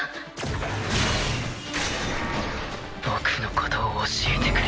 僕のことを教えてくれ？